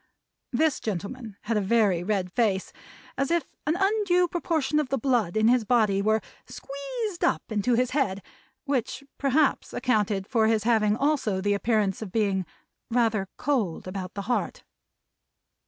This gentleman had a very red face, as if an undue proportion of the blood in his body were squeezed up into his head, which perhaps accounted for his having also the appearance of being rather cold about the heart.